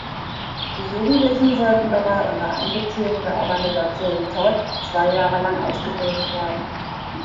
Die Jugendlichen sollten dabei unter Einbeziehung der Organisation Todt zwei Jahre lang ausgebildet werden.